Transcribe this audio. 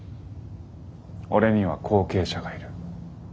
俺には後継者がいる。